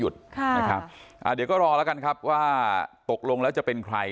เดี๋ยวก็รอแล้วกันครับว่าตกลงแล้วจะเป็นใคร